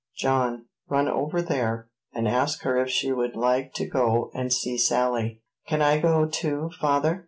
John, run over there, and ask her if she would like to go and see Sally." "Can I go, too, father?"